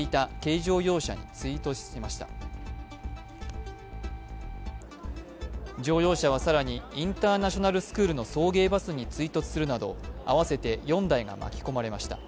乗用車は更にインターナショナルスクールの送迎バスに追突するなど合わせて４台が巻き込まれました。